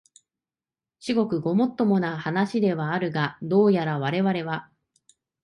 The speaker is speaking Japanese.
至極ごもっともな話ではあるが、どうやらわれわれは、